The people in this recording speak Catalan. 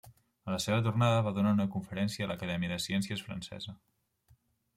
A la seva tornada va donar una conferència a l'Acadèmia de Ciències Francesa.